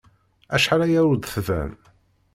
Acḥal aya ur d-tban.